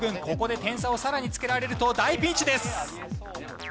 ここで点差をさらにつけられると大ピンチです。